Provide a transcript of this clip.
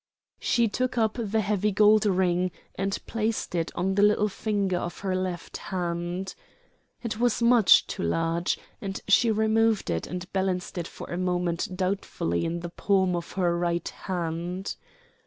She took up the heavy gold ring and placed it on the little finger of her left hand; it was much too large, and she removed it and balanced it for a moment doubtfully in the palm of her right hand.